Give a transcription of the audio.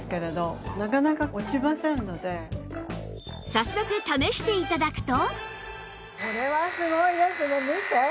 早速試して頂くと